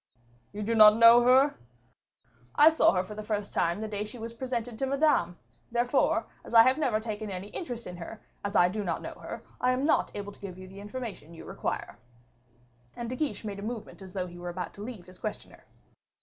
"You do not know her?" "I saw her for the first time the day she was presented to Madame. Therefore, as I have never taken any interest in her, as I do not know her, I am not able to give you the information you require." And De Guiche made a movement as though he were about to leave his questioner.